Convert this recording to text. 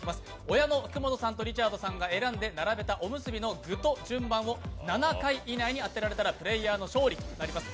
親の福本さんとリチャードさんが選んで並べたおむすびの具と順番を７回以内に当てられたらプレーヤーの勝利となります。